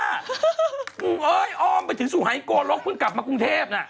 เอ้ยอ้อมไปถึงสุหายโกลกเพิ่งกลับมากรุงเทพน่ะ